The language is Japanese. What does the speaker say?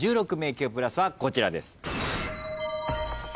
１６迷宮プラスはこちらです。